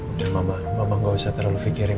udah mama gak usah terlalu pikirin